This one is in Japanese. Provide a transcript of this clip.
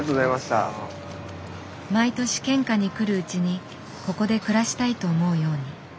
毎年献花に来るうちにここで暮らしたいと思うように。